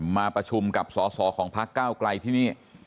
มาประชุมกับสอสอของพักเก้าไกลที่นี่